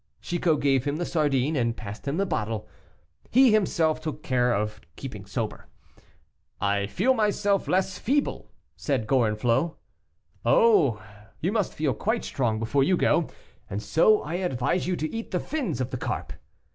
Chicot gave him the sardine, and passed him the bottle. He himself took care to keep sober. "I feel myself less feeble," said Gorenflot. "Oh! you must feel quite strong before you go, and so I advise you to eat the fins of the carp."